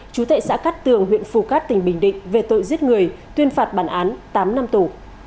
chú tệ xã cát tường huyện phù cát tỉnh bình định về tội giết người tuyên phạt bản án tám năm tù